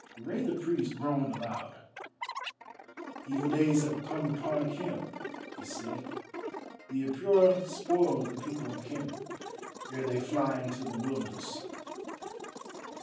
Rei the Priest groaned aloud. "Evil days have come upon Khem," he said. "The Apura spoil the people of Khem ere they fly into the Wilderness."